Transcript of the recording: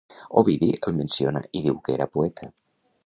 Ovidi el menciona i diu que era poeta.